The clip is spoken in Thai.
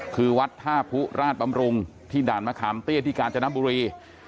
คือวัดท่าผู้ราชบำรุงที่ด่านมะขามเตี้ยที่กาญจนบุรี